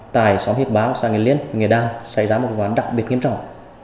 tại xóm hiệp báo xã nghĩa liên nghĩa đàn xảy ra một vụ án đặc biệt nghiêm trọng